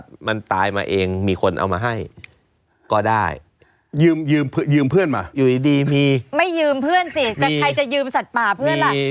ยืมเพื่อนสิแต่ใครจะยืมสัตว์ป่าเพื่อนล่ะ